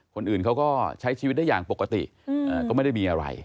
คนอื่นเขาก็ใช้ชีวิตได้อย่างปกติก็ไม่ได้มีอะไร